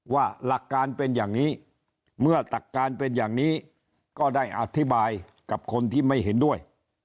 ว่าหลักการเป็นอย่างนี้เมื่อตักการเป็นอย่างนี้ก็ได้อธิบายกับคนที่ไม่เห็นด้วย